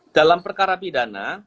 dalam perkara pidana